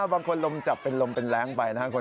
ลมจับเป็นลมเป็นแรงไปนะครับ